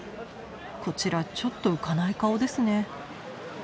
こちらちょっと浮かない顔ですね。